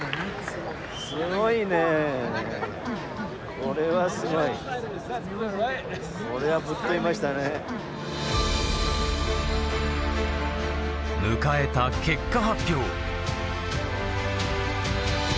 これはすごい。迎えた結果発表。